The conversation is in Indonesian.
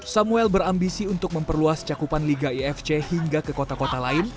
samuel berambisi untuk memperluas cakupan liga ifc hingga ke kota kota lain